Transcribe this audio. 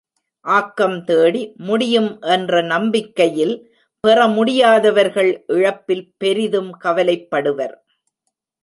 ஆக்கம் தேடி, முடியும் என்ற நம்பிக்கையில் பெறமுடியாதவர்கள் இழப்பில் பெரிதும் கவலைப்படுவர்.